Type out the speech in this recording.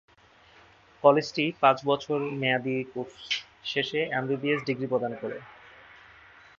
কলেজটি পাঁচ বছর মেয়াদী কোর্স শেষে এমবিবিএস ডিগ্রি প্রদান করে।